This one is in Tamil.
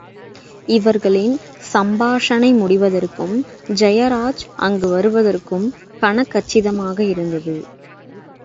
இவர்களின் சம்பாஷணை முடிவதற்கும் ஜெயராஜ் அங்கு வருவதற்கும் கனகச்சிதமாக இருந்தது.